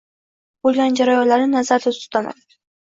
bo‘lgan jarayonlarni nazarda tutaman.